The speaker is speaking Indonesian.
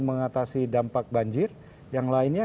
mengatasi dampak banjir yang lainnya